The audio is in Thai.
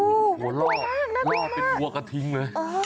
อู้วหน้ากลัวมากหน้ากลัวมากหน้าเป็นกลัวกระทิ้งเลย